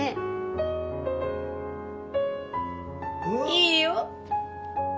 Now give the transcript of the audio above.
いいよ。